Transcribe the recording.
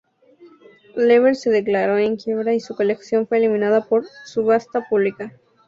Lever se declaró en quiebra y su colección fue eliminada por subasta pública.